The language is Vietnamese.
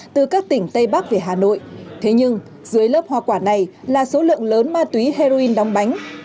từ các tỉnh tây bắc về hà nội thế nhưng dưới lớp hoa quả này là số lượng lớn ma túy heroin